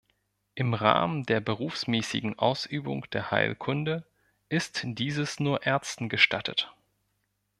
Im Rahmen der berufsmäßigen Ausübung der Heilkunde ist dieses nur Ärzten gestattet.